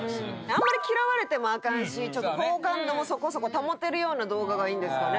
あんまり嫌われてもアカンしちょっと好感度もそこそこ保てるような動画がいいんですかね。